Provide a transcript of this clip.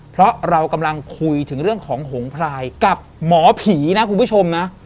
เพราะเรากำลังคุยถึงเรื่องของหงพรายกับหมอผีนะคุณผู้ชมนะ